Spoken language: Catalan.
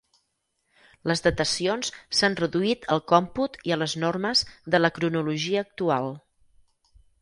Les datacions s'han reduït al còmput i a les normes de la cronologia actual.